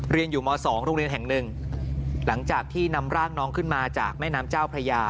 เรียนอยู่ม๒โรงเรียนแห่งหนึ่งหลังจากที่นำร่างน้องขึ้นมาจากแม่น้ำเจ้าพระยา